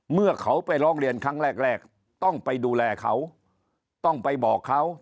เมื่อเขาไปร้องเรียนครั้งแรกแรกต้องไปดูแลเขาต้องไปบอกเขา